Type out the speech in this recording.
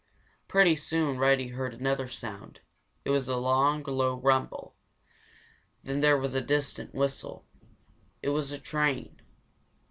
Pretty soon Reddy heard another sound. It was a long, low rumble. Then there was a distant whistle. It was a train.